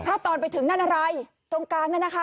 เพราะตอนไปถึงนั่นอะไรตรงกลางนั่นนะคะ